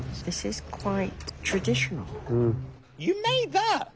すごい。